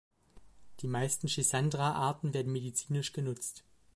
Die meisten "Schisandra"-Arten werden medizinisch genutzt.